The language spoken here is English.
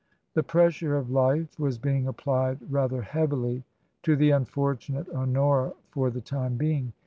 The pressure of life was being applied rather heavily to the unfortunate Honora for the time being.